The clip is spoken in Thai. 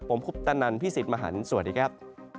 ผมคุปตะนันพี่สิทธิ์มหันฯสวัสดีครับ